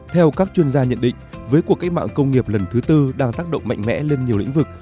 theo các chuyên gia nhận định với cuộc cách mạng công nghiệp lần thứ tư đang tác động mạnh mẽ lên nhiều lĩnh vực